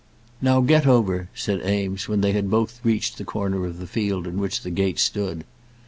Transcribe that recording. "Now get over," said Eames, when they had both reached the corner of the field in which the gate stood.